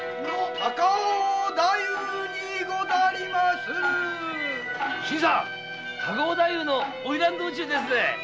高尾太夫の「花魁道中」ですぜ。